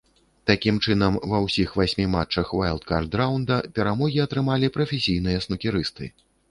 Такім чынам, ва ўсіх васьмі матчах уайлдкард раўнда перамогі атрымалі прафесійныя снукерысты.